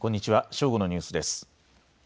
正午のニュースです。